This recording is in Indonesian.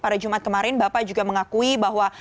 pada jumat kemarin bapak juga mengakui bahwa